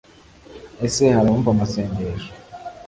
ese hari uwumva amasengesho